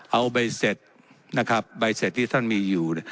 เอาใบเสร็จนะครับใบเสร็จที่ท่านมีอยู่